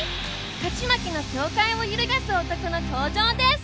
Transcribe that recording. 勝ち負けの境界を揺るがす男の登場です！